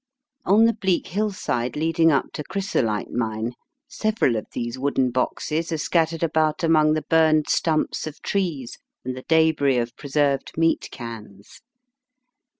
On the bleak hill side leading up to Chrysolite Mine several of these wooden boxes are scattered about among the burned stumps of trees and the dShris of preserved meat cans.